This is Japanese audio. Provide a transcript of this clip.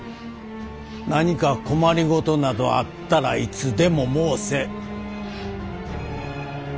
何か困りごとなどあったらいつでも申せ！